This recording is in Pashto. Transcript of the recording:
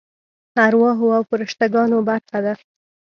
ارواحو او فرشته ګانو برخه ده.